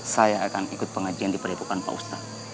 saya akan ikut pengajian di perdepokan pak ustadz